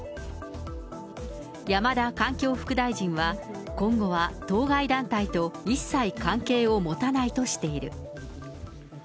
山田環境副大臣は、今後は当該団体と一切関係を持たないとしている。